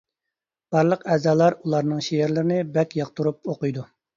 بارلىق ئەزالار ئۇلارنىڭ شېئىرلىرىنى بەك ياقتۇرۇپ ئوقۇيدۇ.